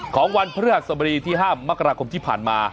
ของวันพฤหัสบดีที่๕มกราคมที่ผ่านมา